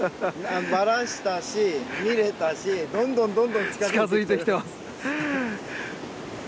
バラしたし見られたしどんどんどんどん近づいてきてる近づいてきてます